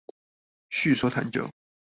敘說探究